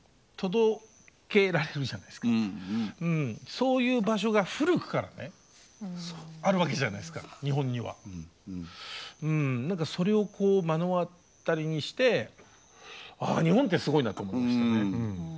そういう場所が古くからねあるわけじゃないですか日本には。何かそれを目の当たりにしてああ日本ってすごいなと思いましたね。